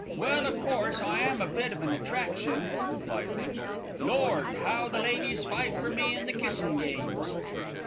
"Well, o' course I am a bit of an attraction," replied Bindle. "Lord! how the ladies fight for me in the kissin' games!"